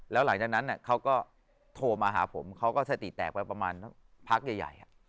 แล้วหลังจากนั้นเขาก็โทรมาหาผมเขาก็สติแตกไปประมาณพักใหญ่